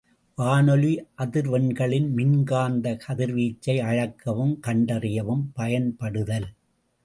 வானொலி அதிர்வெண்களின் மின்காந்த கதிர் வீச்சை அளக்கவும் கண்டறியவும் பயன்படுதல்.